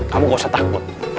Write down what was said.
kamu nggak usah takut